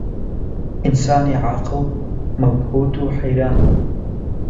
ئینسانی عاقڵ مەبهووت و حەیران